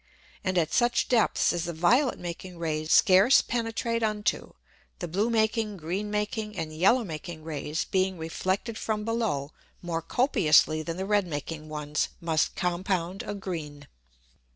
And at such Depths as the violet making Rays scarce penetrate unto, the blue making, green making, and yellow making Rays being reflected from below more copiously than the red making ones, must compound a green.